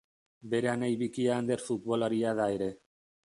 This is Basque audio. Bere anai bikia Ander futbolaria da ere.